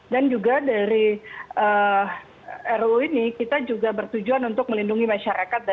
dan juga dari ruu ini kita juga bertujuan untuk melindungi masyarakat